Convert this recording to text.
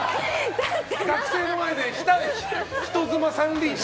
学生の前で、人妻三輪車。